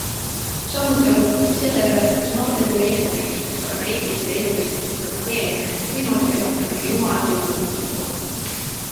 Samuti arutleti selle üle, kas noortetöö eesmärgiks peaks olema eetilise elukäsitluse propageerimine või noorte juhatamine Jumala tundmaõppimise poole.